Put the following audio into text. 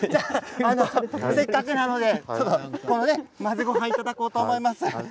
せっかくなので混ぜごはんいただこうと思います。